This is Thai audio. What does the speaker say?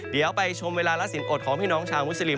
เดี๋ยวไปชมเวลาละสินอดของพี่น้องชาวมุสลิม